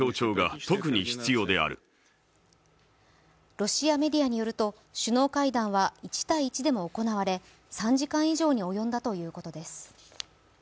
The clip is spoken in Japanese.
ロシアメディアによると、首脳会談は１対１でも行われ３時間以上に及んだということです。